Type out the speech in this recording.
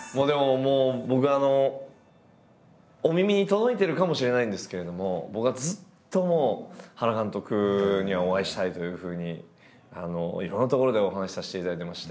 もう僕はお耳に届いてるかもしれないんですけれども僕はずっともう原監督にはお会いしたいというふうにいろんなところでお話しさせていただいてまして。